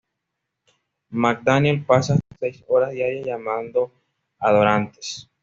McDaniel pasa hasta seis horas diarias llamando a donantes.